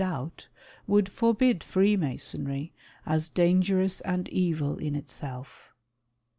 125 forbid Freemasonry, as dangerous and evil in itself.